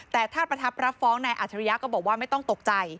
แต่ถ้าประทับรับฟ้องนายอัจฉริยะก็บอกว่าไม่ต้องตกใจ